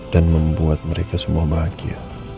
dan membuat mereka semua bahagia